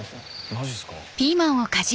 マジすか。